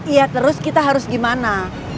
iya terus kita harus gimana